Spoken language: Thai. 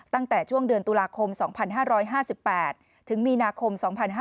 ตั้งแต่ช่วงเดือนตุลาคม๒๕๕๘ถึงมีนาคม๒๕๕๙